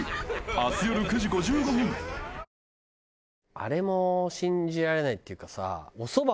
あれも信じられないっていうかさ。